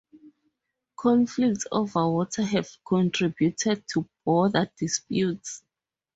Conflicts over water have contributed to border disputes.